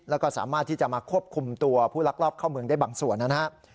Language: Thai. แล้วก็สามารถที่จะมาควบคุมตัวผู้ลักลอบเข้าเมืองได้บางส่วนนะครับ